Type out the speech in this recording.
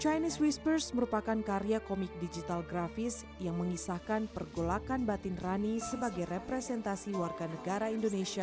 chinese whispers merupakan karya komik digital grafis yang mengisahkan pergolakan batin rani sebagai representasi warga negara indonesia